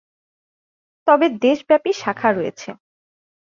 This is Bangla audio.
তবে দেশব্যাপী শাখা রয়েছে।